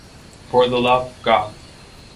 For the love of God.